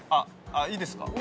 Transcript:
いいですか？